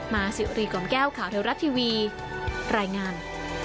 มาสิวรีกล่อมแก้วข่าวเทวรัฐทีวีรายงาน